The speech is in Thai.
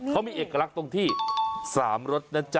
เขามีเอกลักษณ์ตรงที่๓รสนะจ๊